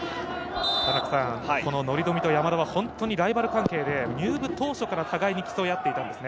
乗冨と山田は本当にライバル関係で入部当初から競い合っていたんです。